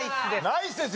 ナイスです